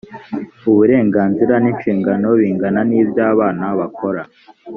uburenganzira n inshingano bingana n iby abana bakora